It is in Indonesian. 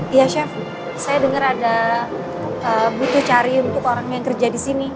iya chef saya dengar ada butuh cari untuk orang yang kerja di sini